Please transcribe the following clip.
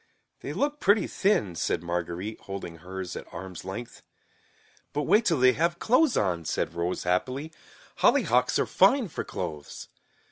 "They look pretty thin," said Marguerite holding hers at arms length. "But wait till they have clothes on," said Rose happily. "Hollyhocks are fine for clothes."